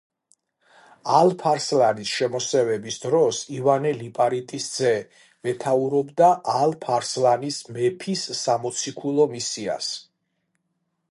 ალფ-არსლანის შემოსევების დროს ივანე ლიპარიტის ძე მეთაურობდა ალფ-არსლანის მეფის სამოციქულო მისიას.